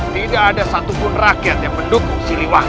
tidak ada satupun rakyat yang mendukung siliwangi